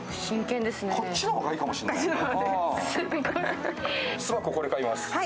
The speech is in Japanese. こっちの方がいいかもしれない。